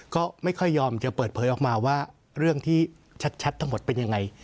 ก็ไม่ค่อยยอมจะเปิดเผยออกมาว่าเรื่องที่ชัดทั้งหมดเป็นยังไง